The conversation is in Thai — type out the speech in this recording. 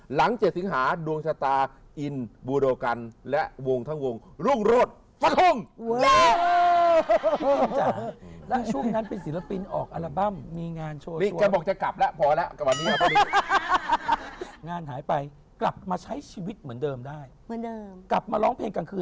๗สิงหาดวงชะตาอินบูโดกันและวงทั้งวงรุ่งโรธฟันทุ่ง